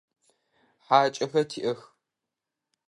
ХьакӀэхэр тиӀэх.